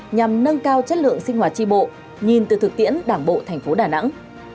nhằm nâng cao chất lượng sinh hoạt tri bộ nhìn từ thực tiễn đảng bộ thành phố đà nẵng